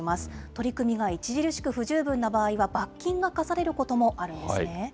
取り組みが著しく不十分な場合は、罰金が科されることもあるんですね。